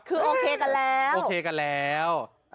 คือโอเคกันแล้ว